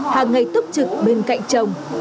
hàng ngày tức trực bên cạnh chồng